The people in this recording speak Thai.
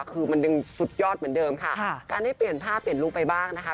คือมันยังสุดยอดเหมือนเดิมค่ะการได้เปลี่ยนผ้าเปลี่ยนลุคไปบ้างนะคะ